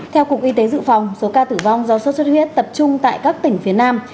theo cục y tế dự phòng số ca tử vong do sốt xuất huyết tập trung tại các tỉnh phía nam